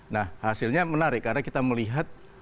nah hasilnya menarik karena kita melihat